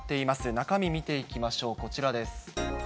中身見ていきましょう、こちらです。